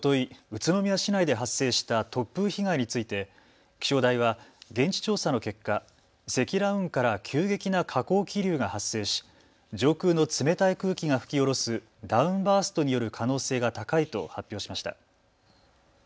宇都宮市内で発生した突風被害について気象台は現地調査の結果、積乱雲から急激な下降気流が発生し上空の冷たい空気が吹き降ろすダウンバーストによる可能性が高いと発表しました。